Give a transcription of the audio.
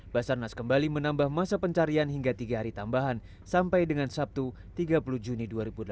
basarnas kembali menambah masa pencarian hingga tiga hari tambahan sampai dengan sabtu tiga puluh juni dua ribu delapan belas